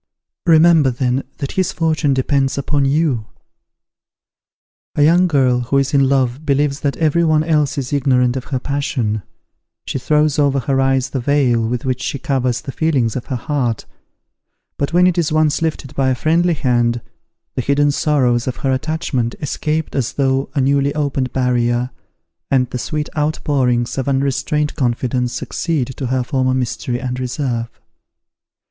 Remember then that his fortune depends upon you." A young girl who is in love believes that every one else is ignorant of her passion; she throws over her eyes the veil with which she covers the feelings of her heart; but when it is once lifted by a friendly hand, the hidden sorrows of her attachment escape as through a newly opened barrier, and the sweet outpourings of unrestrained confidence succeed to her former mystery and reserve.